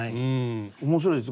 面白いです。